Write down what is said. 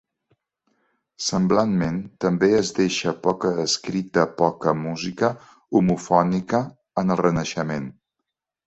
Semblantment també es deixà poca escrita poca música homofònica en el Renaixement.